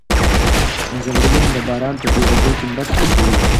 ځنګلونه د باران په ډېرېدو کې مرسته کوي.